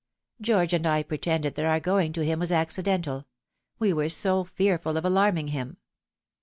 George and I pretended that our going to him was accidental We were so fearful of alarming him."